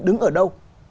đứng ở đâu